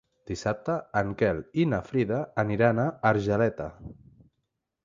Dissabte en Quel i na Frida aniran a Argeleta.